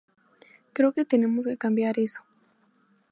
Creo que tenemos que cambiar eso".